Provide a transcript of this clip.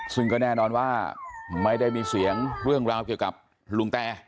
ซึ่งก็แน่นอนว่าไม่ได้มีเสียงเรื่องราวเกี่ยวกับลุงแต